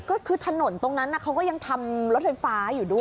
ก็คือถนนตรงนั้นเขาก็ยังทำรถไฟฟ้าอยู่ด้วย